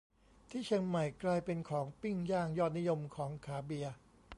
ที่เชียงใหม่ กลายเป็นของปิ้งย่างยอดนิยมของขาเบียร์